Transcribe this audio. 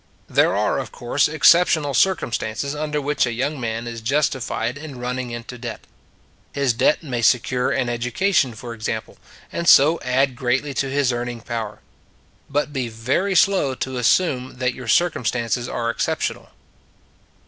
There are, of course, exceptional cir cumstances under which a young man is justified in running into debt. His debt may secure an education, for example, and so add greatly to his earning power. But be very slow to assume that your circum stances are exceptional.